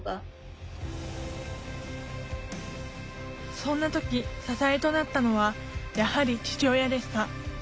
そんな時支えとなったのはやはり父親でした。